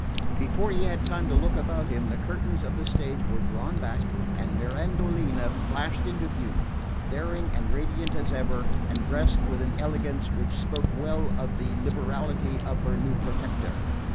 Before he had time to look about him the curtains of the stage were drawn back, and Mirandolina flashed into view, daring and radiant as ever, and dressed with an elegance which spoke well for the liberality of her new protector.